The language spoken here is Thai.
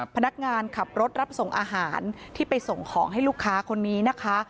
พนักงานขับรถรับส่งอาหารที่ไปส่งของให้ลูกค้าคนนี้นะคะ